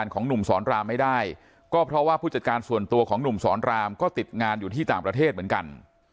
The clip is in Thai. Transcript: ก็เพราะว่าผู้จัดการส่วนตัวของหนุ่มสอนรามก็ติดงานอยู่ที่ต่างประเทศเหมือนกัน